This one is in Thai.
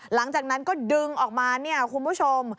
หลังจากนั้นก็ดึงออกมาเนี่ยคุณผู้ชม